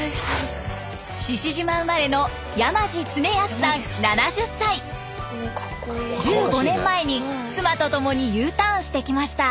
志々島生まれの１５年前に妻と共にＵターンしてきました。